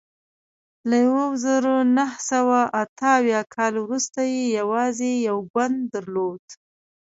له یوه زرو نهه سوه اته اویا کال وروسته یې یوازې یو ګوند درلود.